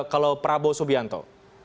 kalau prabowo subianto